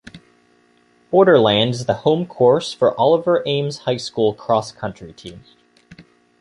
Borderland is the home course for Oliver Ames High School cross country team.